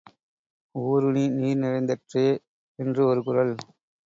ஊருணி நீர் நிறைந்தற்றே என்று ஒரு குறள்.